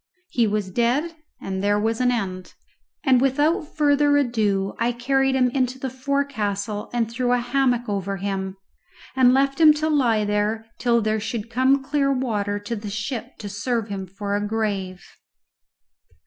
He was dead, and there was an end; and without further ado I carried him into the forecastle and threw a hammock over him, and left him to lie there till there should come clear water to the ship to serve him for a grave.